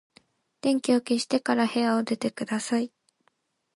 電気を消してから部屋を出てください。